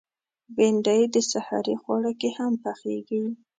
بېنډۍ د سحري خواړه کې هم پخېږي